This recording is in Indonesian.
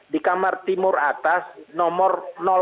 di kamar timur atas nomor